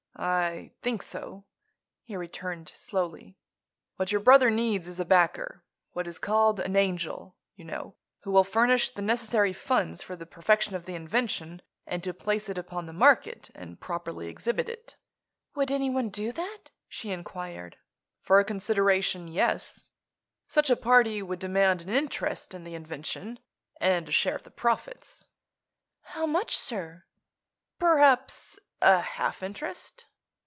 "I think so," he returned, slowly. "What your brother needs is a backer—what is called an 'angel,' you know—who will furnish the necessary funds for the perfection of the invention and to place it upon the market and properly exhibit it." "Would anyone do that?" she inquired. "For a consideration, yes. Such a party would demand an interest in the invention, and a share of the profits." "How much, sir?" "Perhaps a half interest."